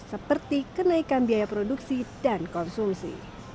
seperti kenaikan biaya produksi dan konsumsi